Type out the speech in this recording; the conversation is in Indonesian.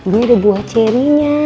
ini ada buah cherry nya